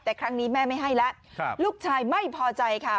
แต่ครั้งนี้แม่ไม่ให้แล้วลูกชายไม่พอใจค่ะ